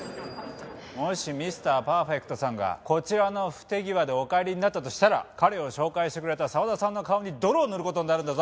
もしミスター・パーフェクトさんがこちらの不手際でお帰りになったとしたら彼を紹介してくれた澤田さんの顔に泥を塗る事になるんだぞ！